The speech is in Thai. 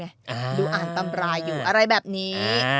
อ่านตำราอยู่อะไรแบบนี้